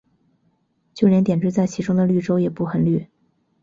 就连点缀在其中的绿洲也不很绿。